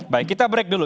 baik kita break dulu